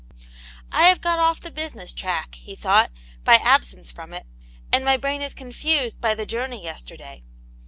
" I have got off the business track," he thought, " by absence from it ; and my brain is confused by the journey yesterday."